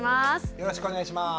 よろしくお願いします。